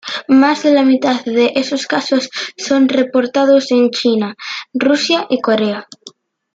Más de la mitad de esos casos son reportados en China, Rusia y Corea.